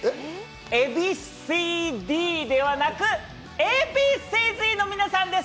エビＣＤではなく、Ａ．Ｂ．Ｃ−Ｚの皆さんです。